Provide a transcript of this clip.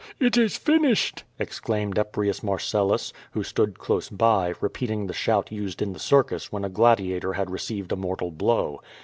"It is finished," exclaimed Eprius Marcellus, who stood close by, repeating the shout used in the circus when a gladi ator had received a mortal blow.